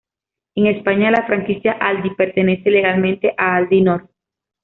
En España, la franquicia Aldi pertenece legalmente a Aldi Nord.